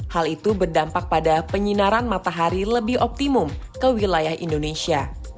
hal itu berdampak pada penyinaran matahari lebih optimum ke wilayah indonesia